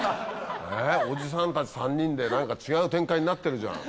おじさんたち３人で何か違う展開になってるじゃん。